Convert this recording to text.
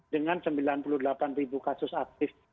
dengan sembilan puluh delapan ribu kasus aktif